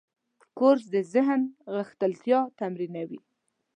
کورس د ذهن غښتلتیا تمرینوي.